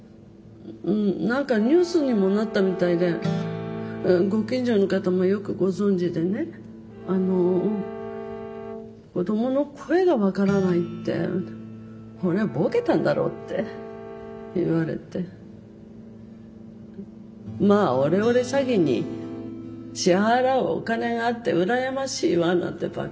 何かニュースにもなったみたいでご近所の方もよくご存じでねあの「子どもの声が分からないってこれはボケたんだろ」って言われて「まあオレオレ詐欺に支払うお金があって羨ましいわ」なんてバカにされて。